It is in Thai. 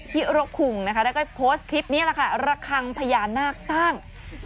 ผลประโยชน์ก็เป็นนี่ไงก็เป็นร่างทรงทั้งคู่